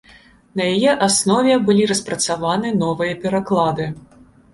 На яе аснове былі распрацаваны новыя пераклады.